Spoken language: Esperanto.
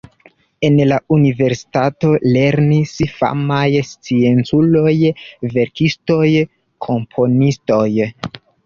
En la universitato lernis famaj scienculoj, verkistoj, komponistoj.